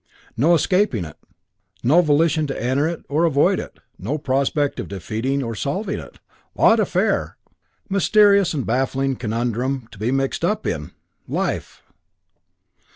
No escaping it; no volition to enter it or to avoid it; no prospect of defeating it or solving it. Odd affair! Mysterious and baffling conundrum to be mixed up in!... Life!